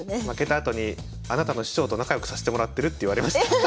負けたあとにあなたの師匠と仲良くさせてもらってるって言われました。